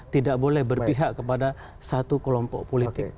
tidak boleh berpihak kepada satu kelompok politik